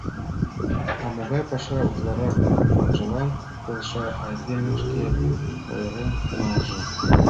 А могай паша утларак чонжылан келша, айдеме шке ойырен налже.